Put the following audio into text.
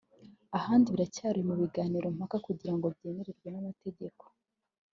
ahandi biracyari mu biganiro mpaka kugira ngo byemerwe n’amategeko